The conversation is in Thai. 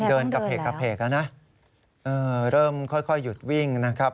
เดินกระเพกกระเพกแล้วนะเริ่มค่อยหยุดวิ่งนะครับ